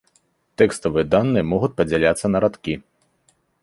Тэкставыя даныя могуць падзяляцца на радкі.